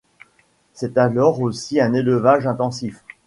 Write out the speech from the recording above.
C’est alors aussi un élevage intensif.